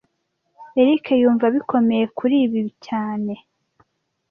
Eric yumva bikomeye kuri ibi cyane